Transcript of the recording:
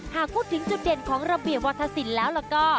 หากพูดถึงจุดเด่นของระเบียบวัฒนศิลป์แล้วก็